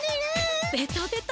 ベタベタ。